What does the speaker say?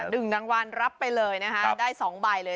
หนึ่งรางวัลรับไปเลยนะคะได้สองใบเลย